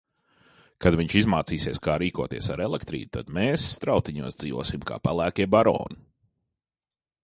Kad viņš izmācīsies kā rīkoties ar elektrību, tad mēs Strautiņos dzīvosim kā pelēkie baroni!